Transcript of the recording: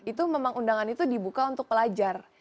itu memang undangan itu dibuka untuk pelajar